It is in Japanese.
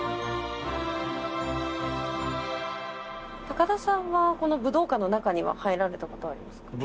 高田さんはこの武道館の中には入られた事ありますか？